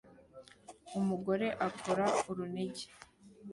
Umugore akora urunigi